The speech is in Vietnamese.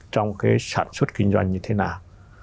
trong cái sản xuất kinh doanh như thế nào